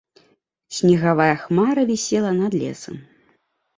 Снегавая хмара вісела над лесам.